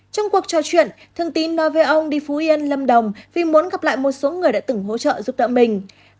trong cuộc trò chuyện thương tín nói với ông đi phú yên lâm đồng vì muốn gặp lại một số người đã từng hỗ trợ giúp đỡ mình